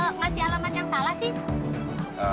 ngasih alamat yang salah sih